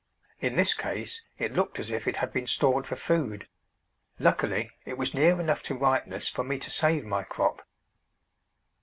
In this case it looked as if it had been stored for food; luckily it was near enough to ripeness for me to save my crop.